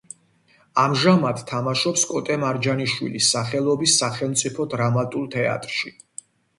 ამჟამად თამაშობს კოტე მარჯანიშვილის სახელობის სახელმწიფო დრამატულ თეატრში.